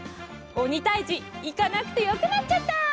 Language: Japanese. おにたいじいかなくてよくなっちゃった。